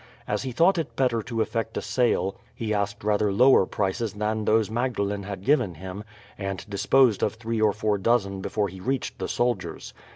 As he thought it better to effect a sale he asked rather lower prices than those Magdalene had given him, and disposed of three or four dozen before he reached the soldiers.